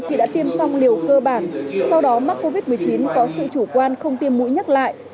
thì đã tiêm xong liều cơ bản sau đó mắc covid một mươi chín có sự chủ quan không tiêm mũi nhắc lại